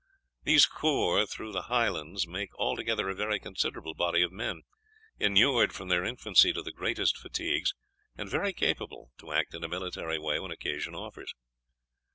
These corps through the Highlands make altogether a very considerable body of men, inured from their infancy to the greatest fatigues, and very capable, to act in a military way when occasion offers.